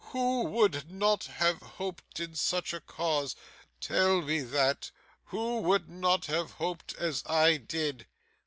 Who would not have hoped in such a cause? Tell me that! Who would not have hoped as I did?